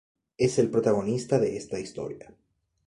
Es el protagonista de esta historia.